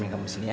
aku akan mencoba